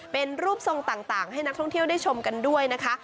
เป็นรูปทรงต่างให้นักท่องเที่ยวได้ชมกันด้วยนะคะ